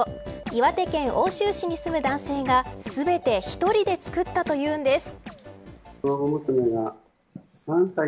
岩手県奥州市に住む男性が全て１人で作ったというんです。